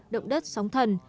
động đất sóng thần